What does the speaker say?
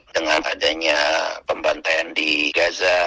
dengan adanya pembantaian di gaza